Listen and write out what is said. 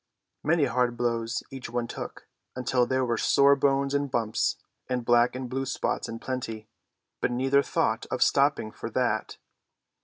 Many hard blows each one took, until there were sore bones and bumps, and black and blue spots in plenty, but neither thought of stopping for that.